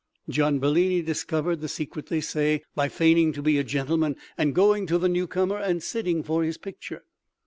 Gian Bellini discovered the secret, they say, by feigning to be a gentleman and going to the newcomer and sitting for his picture.